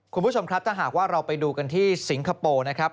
คุณผู้ชมครับถ้าหากว่าเราไปดูกันที่สิงคโปร์นะครับ